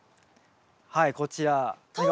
はいこちら。